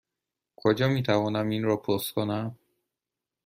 کجا می توانم این را پست کنم؟